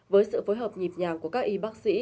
với sự phối hợp nhịp nhàng của các y bác sĩ